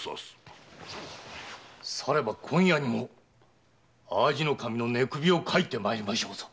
されば今夜にも淡路守の寝首を掻いてまいりましょうぞ。